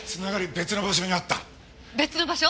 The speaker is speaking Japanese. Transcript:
別の場所？